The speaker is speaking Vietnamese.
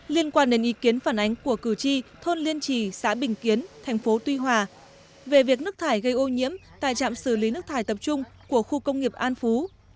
liên quan đến ý kiến phản ánh của cử tri thôn liên trì xã bình kiến thành phố tuy hòa về việc nước thải gây ô nhiễm tại trạm xử lý nước thải tập trung của khu công nghiệp an phú